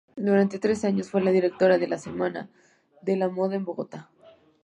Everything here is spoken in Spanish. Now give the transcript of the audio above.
Durante tres años fue la directora de la Semana de la Moda en Bogotá.